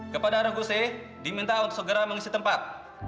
kepada rengguse diminta untuk segera mengisi tempat